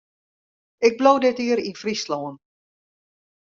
Ik bliuw dit jier yn Fryslân.